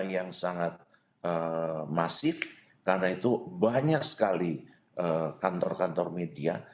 yang sangat masif karena itu banyak sekali kantor kantor media